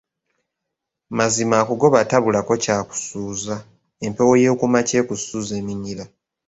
Mazima akugoba tabulako ky'akusuuza, empewo y'okumakya ekusuuza eminyira.